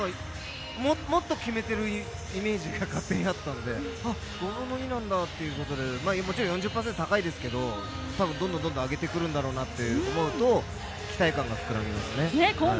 もっと決めているイメージが勝手にあったので、５分の２なんだということで、もちろん４０％高いですけど、どんどん上げてくるんだろうなというのと期待感が膨らみます。